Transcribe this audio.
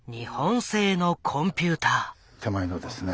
手前のですね